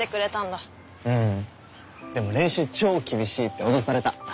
でも練習超厳しいって脅された。